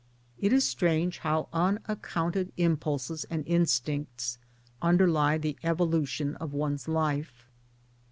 It is strange how unaccounted impulses and instincts underlie the evolution of one's life.